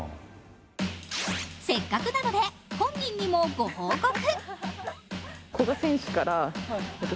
せっかくなので本人にもご報告。